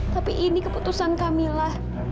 tapi ini keputusan kamila